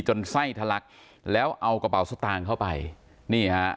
ไส้ทะลักแล้วเอากระเป๋าสตางค์เข้าไปนี่ฮะ